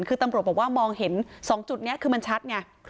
คือตำรวจบอกว่ามองเห็น๒จุดนี้คือมันชัดไง